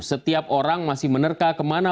setiap orang masih menerka kemana